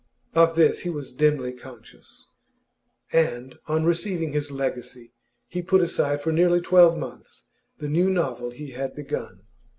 Of this he was dimly conscious, and, on receiving his legacy, he put aside for nearly twelve months the new novel he had begun.